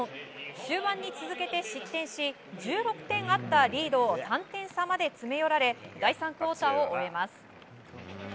終盤に続けて失点し１６点あったリードを３点差まで詰め寄られ第３クオーターを終えます。